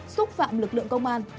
xúc phạm lực lượng công an